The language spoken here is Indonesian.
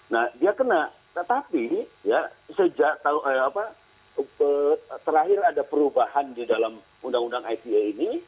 nah dia kena tetapi ya sejak terakhir ada perubahan di dalam undang undang ipa ini